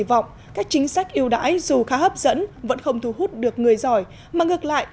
vọng các chính sách yêu đãi dù khá hấp dẫn vẫn không thu hút được người giỏi mà ngược lại